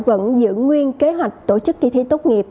vẫn giữ nguyên kế hoạch tổ chức kỳ thi tốt nghiệp